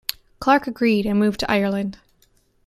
Clarke agreed and moved to Ireland.